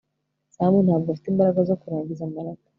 sam ntabwo afite imbaraga zo kurangiza marato